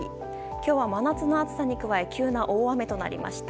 今日は真夏の暑さに加え急な大雨となりました。